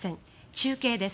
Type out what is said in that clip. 中継です。